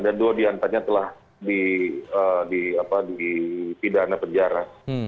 dan dua diantaranya telah dipidana penjara